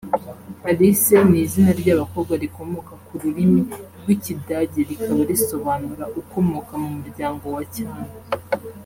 Alice ni izina ry’abakobwa rikomoka ku rurimi rw’Ikidage rikaba risobanura “Ukomoka mu muryango wa cyami”